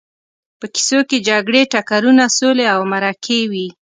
په کیسو کې جګړې، ټکرونه، سولې او مرکې وي.